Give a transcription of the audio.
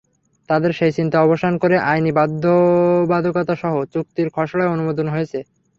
তাদের সেই চিন্তার অবসান করে আইনি বাধ্যবাধকতাসহ চুক্তির খসড়াই অনুমোদন হয়েছে।